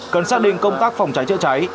cần xác định công tác phòng cháy chữa cháy